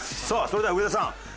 さあそれでは上田さん。